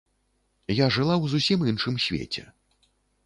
Я жыла ў зусім іншым свеце.